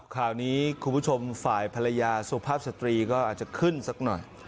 คราวนี้คุณผู้ชมฝ่ายภรรยาสุภาพสตรีก็อาจจะขึ้นสักหน่อย